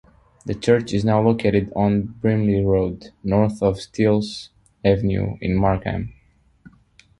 The church is now located on Brimley Road, north of Steeles Avenue in Markham.